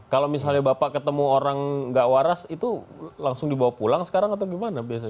kalau misalnya bapak ketemu orang nggak waras itu langsung dibawa pulang sekarang atau gimana biasanya